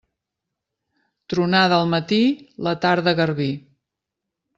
Tronada al matí, la tarda garbí.